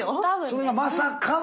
それがまさかの！